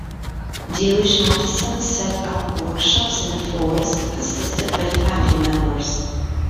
Jewish artisans set up workshops in the forest, assisted by family members.